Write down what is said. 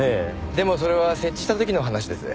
でもそれは設置した時の話です。